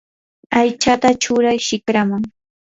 aychata churay shikraman.